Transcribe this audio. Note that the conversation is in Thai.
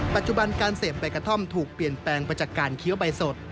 ปัจจุบันการเสพใบกระท่อมถูกเปลี่ยนแปลงไปจากการเคี้ยวใบสด